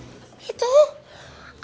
acil dari tadi bolak bolak